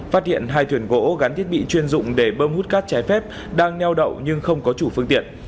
phát hiện hai thuyền gỗ gắn thiết bị chuyên dụng để bơm hút cát trái phép đang neo đậu nhưng không có chủ phương tiện